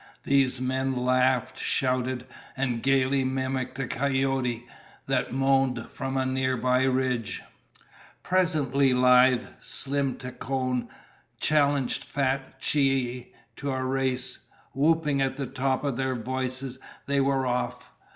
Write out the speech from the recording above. These men laughed, shouted, and gaily mimicked a coyote that moaned from a nearby ridge. Presently lithe, slim Tacon challenged fat Chie to a race. Whooping at the tops of their voices, they were off.